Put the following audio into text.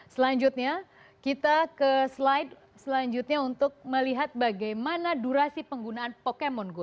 selanjutnya kita ke slide selanjutnya untuk melihat bagaimana durasi penggunaan pokemon go